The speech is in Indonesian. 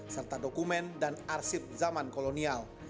serta dokumen dan arsit zaman kolonial